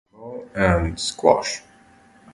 And squash.